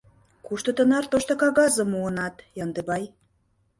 Кушто тынар тошто кагазым муынат, Яндыбай?